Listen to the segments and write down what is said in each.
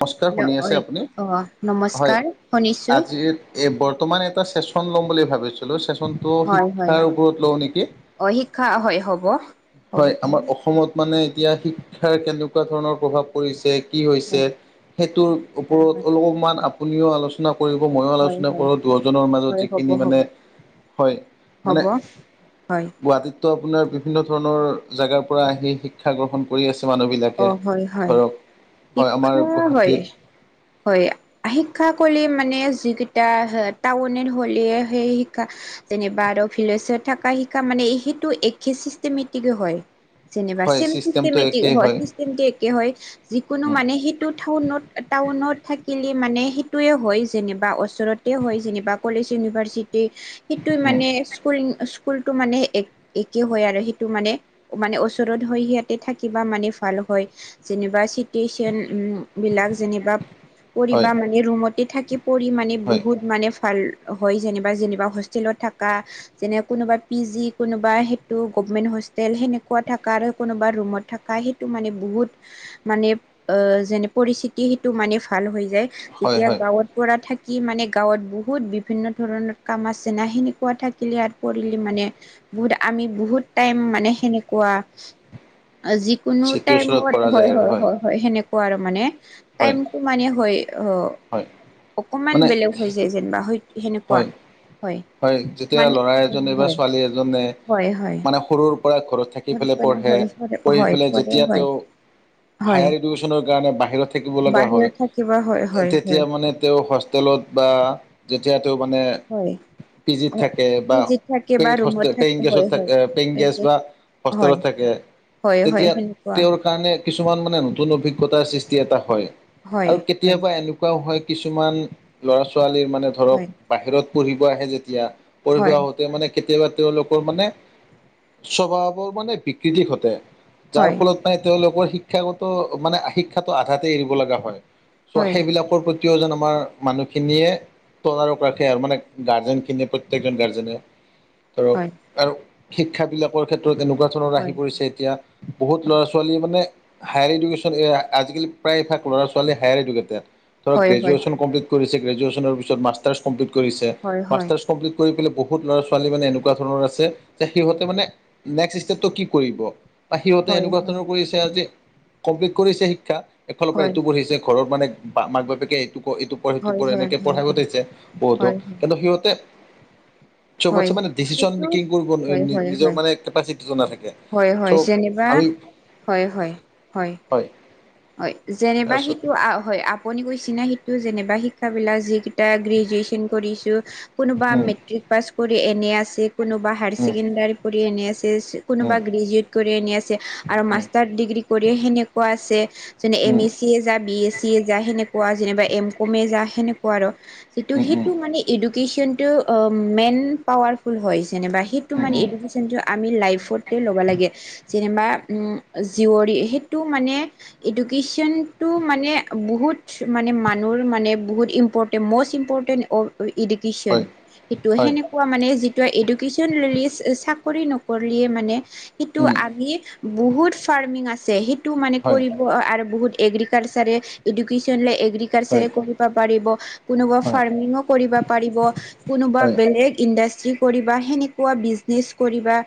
নমস্কাৰ শুনি আছে হেল্ল' আপুনি অ হয় নমস্কাৰ শুনিছো আজিৰ এই বৰ্তমান এটা চেচন ল'ম বুলি ভাবিছিলোঁ চেচনটো হয় হয় শিক্ষাৰ ওপৰত লওঁ নিকি অ শিক্ষা হয় হ'ব হ'ব হয় আমাৰ দিয়ক অসমত মানে এতিয়া শিক্ষাৰ কেনেকুৱা ধৰণৰ প্ৰভাৱ কৰিছে কি হৈছে হয় সেইটোৰ ওপৰত হয় অলপমান আপ আপুনিও আলোচনা কৰিব মইও হয় হয় আলোচনা হয় কৰো দুয়োজনৰ মাজত হয় হ'ব যিখিনি মানে হ'ব হয় মানে হ'ব হয় গুৱাহাটীত ত আপোনাৰ বিভিন্ন ধৰণৰ জেগাৰ পৰা আহি শিক্ষা গ্ৰহণ কৰি আছে মানুহবি অ বিলাকে হয় হয় ধৰক হয় আমাৰ শিক্ষা হয় গুৱাহাটীত হয় শিক্ষা কলে মানে যিকেইটা টাউনেৰ হ'লে সেই শিক্ষা যেনিবা আৰু ফিলছ্ত থকা শিকা মানে সেইটো একে চিষ্টেমেটিকে হয়। যেনিবা হয় চেম ছিষ্টেমটো চিচটেমেটিক একেই হয় চিচটেমেটিক একে হয়। যিকোনো উম, মানে সেইটো থাউনত টাউনত থাকিলে মানে সেইটোয়ে হয় যেনিবা ওচৰত তে হয় যেনিবা কলেজ ইউনিভাৰচিটি সেইটোৱে উম, মানে স্কুল স্ক স্কুলটো মানে এক একে হয় আৰু সেইটো মানে মানে ওচৰত হয় সিহতে থাকিবা মানে ভাল হয় যেনিবা চিটুৱেচন উম বিলাক যেনিবা পৰিবা হয় মানে ৰুমতে থাকি পৰি মানে হয়, বহুত মানে ভাল হয় যেনিবা যেনিবা হোষ্টেলত থাকা যেনে কোনোবা পি জি কোনোবা সেইটো গভমেণ্ট হোষ্টেল সেনেকুৱা থাকা আৰু কোনোবা ৰুমত থাকা সেক মানে বহুত মানে অ যেনে পৰিস্থিতি সেইটো মানে ভাল হয় যায় হয়, যেতিয়া হয়, গাঁৱত কৰা থাকি মানে গাঁৱত বহুত বিভিন্ন ধৰণৰ কাম আছে না সেনেকুৱা থাকিলে আৰু কৰিলি মানে বহুত আমি বহুত টাইম মানে সেনেকুৱা যি কোনো চিটিৰ ওচৰত পৰা টাইমত যায় হয় আৰু হয় হয় হয় সেনেকুৱা আৰু মানে হয়, টাইমটো মানে হয় অ হয়, অকমান মানে বেলেগ হৈ যায় যেনিবা হয় সেনেক হয় হয় হয় যেতিয়া ল'ৰা এজনে বা হয় ছোৱালী এজনে হয় হয় মানে সৰুৰ পৰা ঘৰত থাক কি পেলে পঢ়ে হয় পঢ়ি পেলাই হয় যেতিয়া হয় তেওঁ হয় হায়াৰ এডুকেশ্যনৰ কাৰণে বাহিৰত থাকিব লগা বাহিৰত থাকিব হয় হয় তেতিয়া হয় মানে তেওঁ সচ তলত বা যিহেতু মানে হয় পিজিত থাকে বা পিজিত থাকে বা ৰুমত পেডহস্তে পেইং থাকে হয় গেছত হয় থাকে পেইং গেছ বা হয় হোষ্টেলত থাকে হয় হয় তেতিয়া সেনেকুৱা তেওঁৰ কাৰণে কিছুমান মানে নতুন অভিজ্ঞতা সৃষ্টি এটা হয় হয় আৰু হয় কেতিয়াবা এনুক কুৱাও হয় কিছুমান ল'ৰা ছোৱালীৰ মানে ধৰ হয় হয় বাহিৰত পঢ়িব আহে যেতিয়া পঢ়িব হয় হয় তেওঁ মানে কেতিয়াবা তেওঁলোকৰ মানে স্বভাৱৰ মানে বিকৃতি ঘটে। যাৰ হয় ফলত মানে তেওঁলোকৰ শিক্ষাগত মানে শিক্ষাটো আধাতে এৰিব লগা হয়। হয় চ' হয় সেইবিলাকৰ প্ৰতিও যেন আমাৰ মানুহখিনিয়ে তদাৰক ৰাখে আৰু মানে গাৰ্জেন খিনিয়ে প্ৰত্যেকজন গাৰৰ্জেনে হয় ধৰক আৰু শিক্ষা বিলাকৰ ক্ষেত্ৰত এনেকুৱা ধৰণৰ আহি পৰিছে এতিয়া বহুত ল'ৰা ছোৱালীয়ে মানে হায়াৰ এডুকেশ্যন আজিকালি প্ৰায়ভাগ ল'ৰা ছোৱালী হায়াৰ এডুকেটেড। ধৰক হয় হয় হয় হয় হয় হয় গ্ৰেজুৱেচন কমপ্লিট কৰিছে গ্ৰেজুৱেচনৰ পিছত মাষ্টাৰ্ছ কমপ্লিট কৰিছে মাষ্টাৰ্ছ কমপ্লিট কৰি পেলাই বহুত ল'ৰা ছোৱালী মানে এনেকুৱা ধৰণৰ আছে যে সিহঁতে মানে নেক্সট ষ্টেপটো কি কৰিব। বা সিহঁতে হয় এনেকুৱা ধৰণৰ কৰিছে আজি কমপ্লিট কৰিছে শিক্ষা এইফালৰ পৰা এইটো কৰিছে ঘৰত মানে বা মাক বাপেকে এইটো ক এইটো পঢ় সিটো পঢ় হয় এনেকে পঢ়াব হয় পঠাইছে প দ হয় হয় কিন্তু সিহঁতে চবত হয় চে মানে ডিচিচন সেইটো মেকিং কৰিব হয় হয় নিজৰ হয় মানে কেপাচিটিটো নাথাকে, হয় হয় চ' যেনিবা আমি হয় হয় হয়। হয়। হয় যেনেবা তাৰপিছত সেইটো হয় আপুনি কৈছে না সেইটো যেনেবা শিক্ষা বিলাক যি কিতা গ্ৰেজুুৱেচন কৰিছো কোনোবা উম মেট্ৰিক পাছ কৰি এনে আছে কোনোবা হায়াৰ উম ছেকেণ্ডেৰী পঢ়ি এনে আছে। উম কোনোবা গ্ৰেজুুৱেট কৰি আনি আছে, আৰু উম মাষ্টাৰ ডিগ্ৰী কৰিয়ে সেনেকুৱা আছে যেনে M um A C A যা বি এছ চি এ যা সেনেকুৱা যেনিবা এম কমে যা সেনেকুৱা আৰু যিটো উম উম সেইটো মানে এডুকেশ্যনটো মেইন পাৱাৰফুল হয় যেনেবা সেইটো উম মানে উম এডুকেশ্যনটো আমি লাইফত ল'ব লাগে যেনিবা উম জীয়ৰী সেইটো মানে এডুকেশ্যনটো মানে বহুত মানে মানুহৰ মানে বহুত important most important of education হয় সেইটো হয় সেনে কোৱা মানে যি এডুকেশ্যন ৰিলন্স চাকৰি নকৰিলে মানে সেইটো উম আমি বহুত ফাৰ্মিং আছে সেইটো মানে হয় কৰিব আৰু বহুত এগ্ৰিকালচাৰে এডুকেশ্যন হয় এগ্ৰিকালচাৰে কৰি ব পাৰিব কোনোবা হয় ফাৰ্মিঙো কৰিব পাৰিব। কোনোবা হয় বেলেগ ইণ্ডাষ্ট্ৰী কৰিবা সেনেকুৱা বিজনেচ কৰিবা।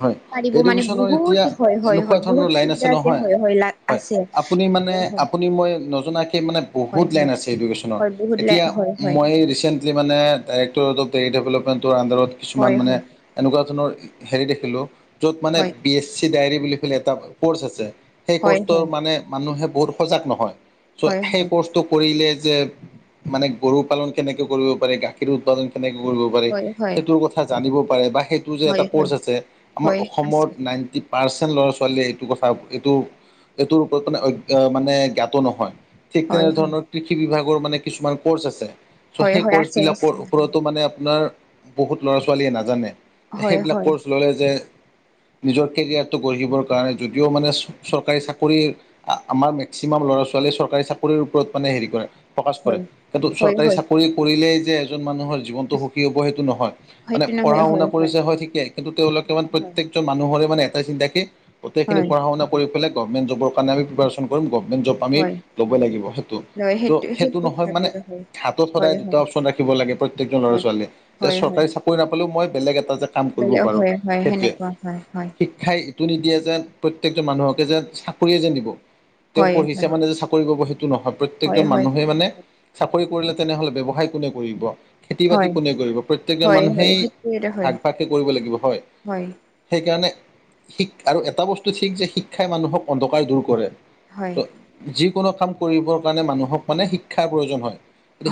হয় পাৰিব মানে এডুকেশ্যনৰ এতিয়া বহুত হয় হয় এনেকুৱা হয় বহুত ধৰণৰ লাইন চুবিধা আছে নহয় হয় হয় লাগ হয় আপুনি মানে আপুনি মই নজনাকে মানে বহুত হয় লাইন হয় আছে এডুকেশ্যনত। হয় বহুত লাইন হয় হয়। সেই ৰিসেন্টলি মানে ডাইৰেক্টৰ পেৰী ডেভেলপমেণ্টৰ আনডাৰৰ কিছুমান হয় মানে এনেকুৱা ধৰণৰ হেৰি দেখিলো য'ত মানে হয় বি এছ চি ডায়েৰী বুলি এটা ক'ৰ্চ আছে। সেই হয় কৰ্চৰ হয় মানে মানুহে বহুত সজাগ নহয় চ' হয় সেই হয় ক'ৰ্চ কৰিলে যে মানে গৰু পালন কেনেকে কৰিব পাৰে গা খীৰ উৎপাদন কেনেকে কৰিব পাৰে, হয় হয় সেইটোৰ কথা জানিব পাৰে বা সেইটোৰ যে হয় হয় এটা ক'ৰ্চ হয় আছে আমাৰ হয় আছে অসমত নাইণ্টি পাৰ্চেণ্ট ল'ৰা ছোৱালীয়ে এইটো কথা এইটো এইটোৰ ওপৰত মানে জ্ঞাত নহয়। ঠিক হয় তেনে হয় ধৰণৰ কৃষি বিভাগৰ মানে কিছুমান ক'ৰ্চ আছে ত' হয় সেই হয় ক'ৰ্চ আছে বিলাকৰ আছে ওপৰতো মানে আপোনাৰ বহুত ল'ৰা ছোৱালীয়ে নাজানে হয় সেইবিলাক হয় ক'ৰ্চ ললে যে নিজৰ কেৰিয়াৰটো গঢ়িবৰ কাৰণে যদিও মানে চৰকাৰী চাকৰি আমাৰ মেক্সিমাম ল'ৰা-ছোৱালীয়ে চৰকাৰী, চাকৰিৰ ওপৰত মানে হেৰি কৰে। ফকাচ কৰে, হয় কিন্তু হয় চৰকাৰী হয় চাকৰি কৰিলেই যে মানুহ জীৱনটো সুখী হ'ব সেইটো নহয়, মানে সেইটো নহয় পঢ়া হয় শুনা কৰিছে হয় ঠিকেই। কিন্তু তেওঁলোকে মান হয় প্ৰত্যেকজন মানুহৰে মানে এটা চিন্তা গোটেইখিনি হয় পঢ়া শুনা পঢ়ি পেলাই গভমেণ্ট জবৰ কাৰণে আমি প্ৰিপাৰেচন কৰিম, গভমেণ্ট জব আমি হয় ল'বই লাগিব সেইটো, লয় ত, সেইটো নহয় ভাবে মানে হয় হাতত সদায় হয় দুটা হয় অপচন ৰাখিব লাগে, প্ৰত্যেকজন ল'ৰা- হয় ছোৱালীয়ে, তে চৰকাৰী কৰি নাপালো, মই বেলেগ এটা যে কাম কৰিব বলে, পাৰোঁ হয়, হয়, সেইটোৱে সেনেকুৱা হয়, হয়। [inaudible] যে প্ৰত্যেকজন মানুহকে যে, চাকৰিয়ে যেন দিব। তেওঁ হয় হয় পঢ়িছে মানে যে চাকৰি পাব সেইটো নহয়, হয় প্ৰত্যয়েকজন হয় মানুহে মানে চাকৰি কৰিলে তেনেহ'লে, ব্যৱসায় কোনে কৰিব? খেতি বাতি হয় কোনে কৰিব? প্ৰত্যেকজন হয় হয় মানুহেই সেইটোৱে হয় ভাগ, ভাগকে কৰিব লাগিব হয়। সেইকাৰণে শিক, আৰু এটা বস্তু ঠিক যে শিক্ষাই মানুহক অন্ধকাৰ দূৰ কৰে। হয় ত, যিকোনো কাম কৰিবৰ কাৰণে মানুহক মানে শিক্ষাৰ প্ৰয়োজন হয়।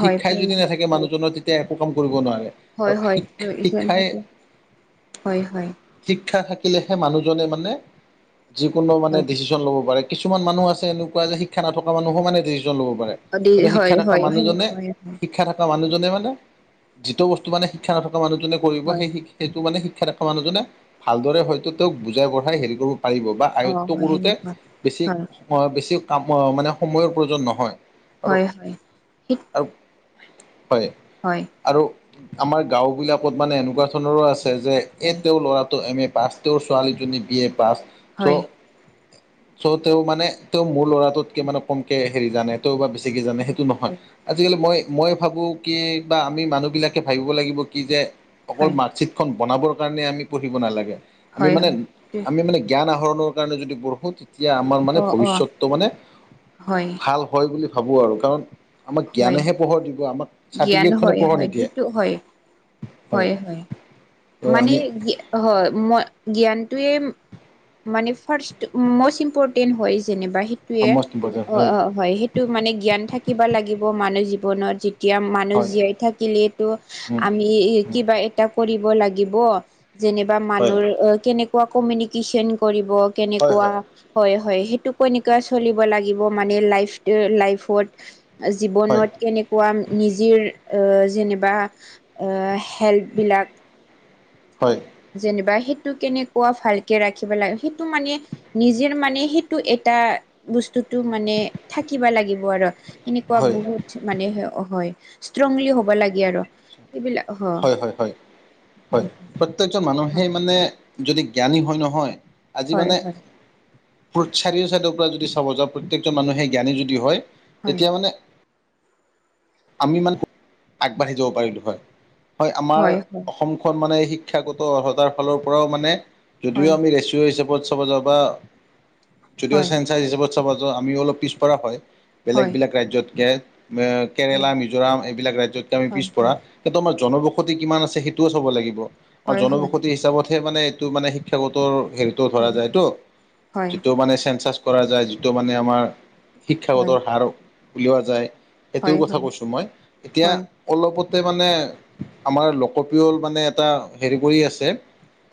হয় শিক্ষাই যদি প্ৰয়োজন নাথাকে, হয় মানুহজনৰ তেতিয়া একো কাম কৰিব নোৱাৰে। আৰু হয়, হয়, শিক্ষাই [inaudible] হয়, হয়। শিক্ষা থাকিলেহে মানুহজনে মানে, যিকোনো মানে হয় ডিচিছন ল'ব পাৰে। কিছুমান মানুহ আছে, এনেকুৱা যে শিক্ষা নথকা মানুহো মানে ডিচিছন ল'ব পাৰে। ত, হয় শিক্ষা থকা হয় মানুহজনে শিক সেনেকুৱাই হয় শিক্ষা থকা মানুহজনে মানে, যিটো বস্তু মানে শিক্ষা নথকা মানুহজনে কৰিব, হয় সেই শি সেইটো মানে শিক্ষা থকা মানুহজনে, ভালদৰে হয়তো তেওঁক বুজাই-বঢ়াই হেৰি কৰিব পাৰিব বা অ আয়ত্ব হয় কৰোতে সেনেকুৱা বেছি, হয় বেছি কাম মানে সময়ৰ প্ৰয়োজন নহয়। আৰু হয়, হ আৰু, হয়। হয়। আৰু আমাৰ গাওঁ বিলাকত মানে এনেকুৱা ধৰণৰো আছে যে এ, হয় তেওঁৰ ল'ৰাটো এম, এ, পাছ। তেওঁৰ ছোৱালীজনী বি, এ, পাছ চ হয় চ, তেওঁ মানে তেওঁ মোৰ ল'ৰাটোতকে মানে কমকে হেৰি জানে, তেওঁ বা বেছিকে জানে সেইটো নহয়। হয় আজিকালি মই, মই ভাবো কি বা, আমি মানুহ বিলাকে ভাবিব লাগিব কি যে, অকল মানুহ চিটখন বনাবৰ কাৰণে, আমি পঢ়িব নালাগে, আমি হয় হয় মানে, হয় আমি মানে জ্ঞান আহৰণৰ কাৰণে যদি পঢ়োঁ, তেতিয়া আমাৰ মানে অ অ ভৱিষ্যতটো মানে হয় ভাল। হয়, বুলি ভাবোঁ আৰু কাৰণ আমাক হয় জ্ঞানেহে পোহৰ দিব আমাক, জ্ঞান চাৰ্টিফিকেট খনে হয় পোহৰ হয় নিদিয়ে। সেইটো হয় হয়, হয়, ত' মানে আমি হয় মই, জ্ঞানটোৱে মানে ফাৰ্ষ্ট, মষ্ট ইম্পৰ্টেন্ট হয়, যেনিবা সেইটোৱে সমষ্ট ইম্পৰ্টেণ্ট অ, হয় সেই মানে জ্ঞান থাকিব লাগিব, মানুহ জীৱনত যি এতিয়া মানুহ হয় জীয়াই থাকিলেতো, আমি কিবা এটা কৰিব লাগিব। যেনিবা হয় মানুহৰ কেনেকুৱা কমিউনিকেশ্যন কৰিব, হয় কেনেকুৱা হয় হয়, হয়, সেইটো এনেকুৱা চলিব লাগিব, মানে লাইফ লাইফত হয় জীৱনত, কেনে কোৱা নিজিৰ, যেনিবা হেল্পবিলাক। হয়। যেনিবা সেইটো কেনেকুৱা, ভালকে ৰাখিব লাগে সেইটো মানে নিজেৰ মানে, সেইটো এটা বস্তুটো মানে থাকিবা লাগিব আৰু, এনেকুৱা হয় বহুত মানে হ-হয়। ষ্ট্ৰংলি হ'ব লাগে আৰু এইবিলাক। হ হয় হয় হয়, হয়, প্ৰত্যেকজন মানুহেই মানে যদি জ্ঞানী হয় নহয়, আজি হয় মানে হয় কৰ্ড চাৰিও চাইডৰ পৰা যদি চাব যাওঁ, প্ৰত্যেকজন মানুহে জ্ঞানি যদি হয় হয় তেতিয়া মানে আমি মান আগবাঢ়ি যাব পাৰিলোঁ হয়। হয় আমাৰ অসমখন মানে শিক ক্ষাগত অৰ্হতাৰ ফালৰ পৰাও মানে যদিও হয় আমি ৰেচিঅ' হিচাপত চব যাওঁ বা যদিও হয় চেঞ্চাৰ হিচাপত চাব যাওঁ, আমিও অলপ পিছপৰা হয় বেলেগ হয় বেলেগ ৰাজ্যতকে। মে কেৰেলা, হয় মিজোৰাম এইবিলাক ৰাজ্যতকে আমি হয় পিছপৰা। হয় সেইটো আমাৰ জনবসতি কিমান আছে সেইটোও চব লাগিব আৰু হয় হয় হয় জনবসতি হিচাপতহে মানে তো মানে শিক্ষাগতৰ হেৰিতো ধৰা হয় যায়তো হয় যিটো মানে চেনচাছ কৰা যায়, যিটো মানে আমাৰ হয় শিক্ষাগতৰ হাৰ উলিওৱা যায় এইটোৰ হয় হয় হয় হয় হয় হয় হয় কথা কৈছোঁ মই। এতিয়া অলপতে মানে আমাৰ লোকপ্ৰিয় মানে এটা হেৰি কৰি আছে।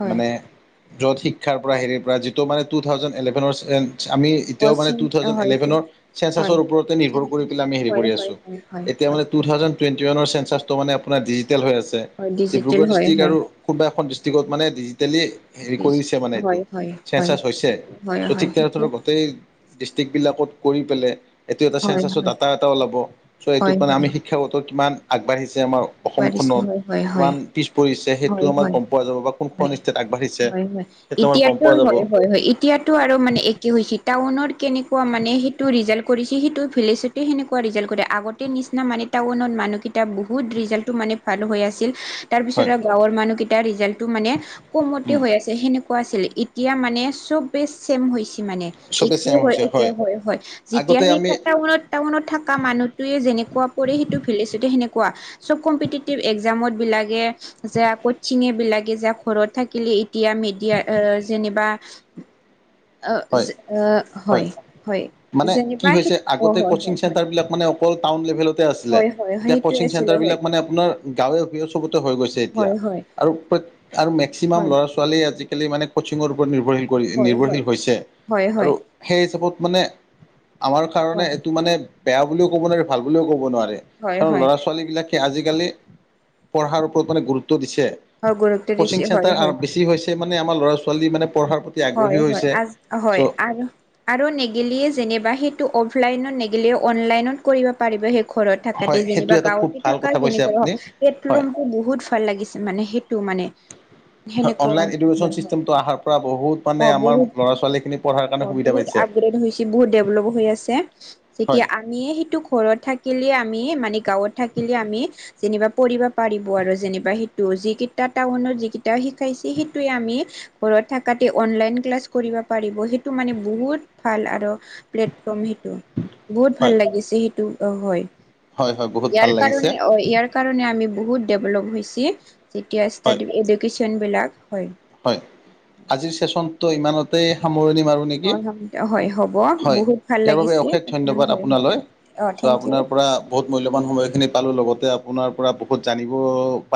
মানে য'ত শিক্ষাৰ পৰা, হেৰিৰ পৰা যিটো মানে টু থাউজেণ্ড এলেভেনৰ [unintelligible] আমি এতিয়া মানে টু থাউজেন এলেভেনৰ চেঞ্চাছৰ ওপৰতে নিৰ্ভৰ কৰি পেলাই আমি হেৰি হয় কৰি হয় আছোঁ। হয় এতিয়া হয় মানে টু থাউেণ্ড টুৱেণ্ট ৱানৰ চেঞ্চাছটো মানে আপোনাৰ ডজট হৈ আছে, ডিজিটেল ডিব্ৰুগড় হয় ডিষ্ট্ৰিক হয় আৰু কোনোবা এখন ডিষ্ট্ৰিকত মানে ডিজিটেলি হেৰি কৰিছে মানে এইটো, হয় হয় হয় চেঞ্চাচ হৈছে, সেইটো হয় চ' হয় ঠিক তেনে সেইটো ধৰক গোটেই ডিষ্ট্ৰিকবিলাক কৰি পেলে এইটো এটা হয় চেনচাছৰ হয় ডাটা এটা ওলাব, চ' এইটোত হয় হয় মানে শি ক্ষাগতো কিমান আগবাঢ়িছে আমাৰ আগবাঢ়িছে অসমখনত, হয় হয় হয় কিমান পিছ পৰিছে সেইটো হয় আমাৰ হয় গম পোৱা যাব বা কোনখন ষ্টেট আগবাঢ়িছে সেইটো [unintelligible] আমাৰ গম এতিয়াতো, পোৱা যাব হয় হয় হয়, এ এতিয়াতো আৰু মানে একে হৈছে। টাউনত কেনেকুৱা মানে, সেইটো ৰিজাল্ট কৰিছে, সেইটো ভিলেজত তে সেনেকুৱা ৰিজাল কৰে, আগতে নিচিনা মানে টাউনত মানুহকেইটা বহুত ৰিজাল্ট টো মানে ভাল হৈ আছিল, তাৰপিছত হয় আৰু গাঁৱৰ মানুহকেইটা ৰিজাল্টটো মানে কমতে হৈ আছ তে সেনেকুৱা আছিলে, এতিয়া মানে চবে চেম হৈছে মানে। চবেই একে চেম হয়, হৈছে একে হয় হয়, যেতিয়া আগতে সেই আমি টাউনত টাউনত থকা মানুহটোৱে যেনেকুৱা কৰে সেইটো ভিলেজতে সেনেকুৱা চব কম্পিটিটিভ একজামত বিলাকে যে কচিঙে বিলাকে যে ঘৰত থাকিলে এতিয়া মিডিয়া আ, যেনিবা হয়, হয়, হয় মানে কি যেনিবা সেই হৈছে অ আগতে হয় কচিং হয় চেণ্টাৰবিলাক মানে [unintelligible] টাউন লেভেলত তি আছিলে, হয় হয় হয় এতিয়া সেইটোৱে কচিং আছিলো হয় চেন্টাৰবিলাক মানে আপোনাৰ গাঁৱে বোৱে চবতে হৈ গৈছে এতিয়া। হয় হয় আৰু প্ৰ, মেক্সিমাম হয় ল'ৰা ছোৱালী আজিকালি মানে কচিঙৰ ওপৰত নিৰ্ভৰশীল কৰি হয় হয় নিৰ্ভৰশীল হৈছে হয় আৰু হয় সেই হিচাপত মানে আমাৰ কাৰণে হয় এইটো মানে বেয়া বুলিও ক'ব নোৱাৰে, ভাল বুলিও ক'ব নোৱাৰে হয় কাৰন হয় হয় ল'ৰা ছো ছোৱালীবিলাকে আজিকালি পঢ়াৰ ওপৰত মানে গুৰুত্ব দিছে। গুৰুত্ব কচিং দিছে হয় চেণ্টাৰ হয় বেছি হৈছে মানে আমাৰ ল'ৰা ছোৱালী মানে পঢ়াৰ প্ৰতি আগ্ৰহী হয় হয় হৈছে। চ' হয় আৰু আৰু নেগেলিয়ে যেনিবা সেইটো অফলাইনত নেগিলে অনলাইনত কৰিব পাৰিব সেই ঘৰত হয় থাকাতে, সেইটো যেনিবা এটা খুব গাঁৱতে ভাল থাকা কথা কৈছে যেনেকুৱা আপুনি নহওঁক, হয়। পেটলনটো বহুত ভাল লাগিছে মানে সেইটো মানে। হ, সেনেকুৱা অনলাইন হয় এডুকেশ্যন হয় চিষ্টেমটো অহাৰ পৰা বহুত মানে অ' আমাৰ বহুত ল'ৰা ছোৱালীখিনি পঢ়াৰ কাৰণে অ' সুবিধা বহুত পাইছে। আপগ্ৰেড হৈছে, বহুত ডেভলপ হৈ আছে, হয়, যেতিয়া আমিয়ে সেইটো ঘৰত থাকিলে আমি মানে গাঁৱত থাকিলে আমি যেনিবা পঢ়িব পাৰিব আৰু যেনিবা সেইটো যিকেইটা টাউনৰ যিকেইটা শিকাইছে সেইটোৱে আমি ঘৰত থাকাতে অনলাইন ক্লাছ কৰিব পাৰিব সেইটো মানে বহুত ভাল আৰু প্লেটফৰ্ম সেইটো বহুত হয়, ভাল লাগিছে সেইটো অহ হয় হয়, হয় বহুত ভাল ইয়াৰ লাগিছে। কাৰণে অ ইয়াৰ কাৰণে আমি বহুত ডেভলভ হৈছে যেতিয়া হয়, স্তাদি এডুকেশ্যন বিলাক হয় হয় আজিৰ চেচনটো ইমানতে সামৰণি মাৰো নেকি হয়, হয় হ'ব হয় বহুত ভাল তাৰ বাবে লাগিছে অশেষ আপোনাৰ ধন্যবাদ হয় হয় আপোনালৈ অ', চ থেংক ইউ। আপোনাৰ পৰা বহুত মূল্যবান সময়খিনি পালোঁ লগতে আপোনাৰ পৰা বহুত জানিব পা